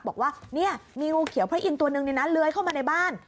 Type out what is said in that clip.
บอกว่าเนี่ยมีงูเขียวพระอินตัวนึงเลื้อยเข้ามาในบ้าน